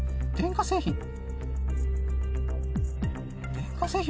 電化製品。